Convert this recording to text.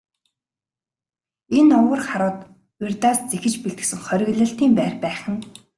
Энэ овгор харууд урьдаас зэхэж бэлтгэсэн хориглолтын байр байх нь.